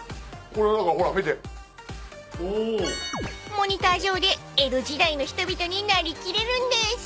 ［モニター上で江戸時代の人々になりきれるんです］